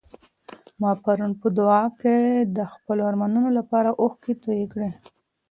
ما پرون په دعا کي د خپلو ارمانونو لپاره اوښکې تویې کړې.